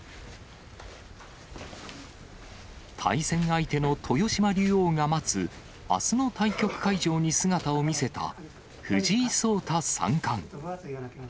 対戦相手の豊島竜王が待つ、あすの対局会場に姿を見せた藤井聡太三冠。